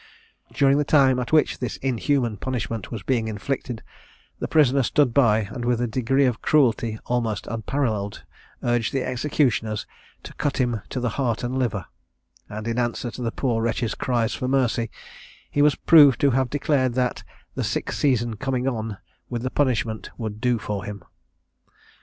During the time at which this inhuman punishment was being inflicted, the prisoner stood by, and with a degree of cruelty almost unparalleled urged the executioners to "cut him to the heart and liver," and in answer to the poor wretch's cries for mercy, he was proved to have declared that "the sick season coming on, with the punishment, would do for him."